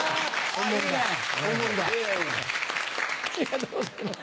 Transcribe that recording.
ありがとうございます。